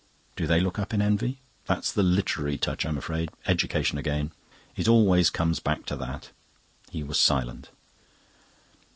Do they look up in envy? That's the literary touch, I'm afraid. Education again. It always comes back to that." He was silent.